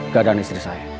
keadaan istri saya